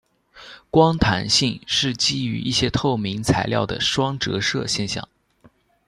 光弹性是基于一些透明材料的双折射现象。